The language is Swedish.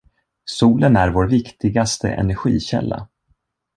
Solen är vår viktigaste energikälla.